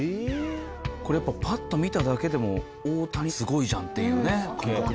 これやっぱパッと見ただけでも大谷すごいじゃんっていうね。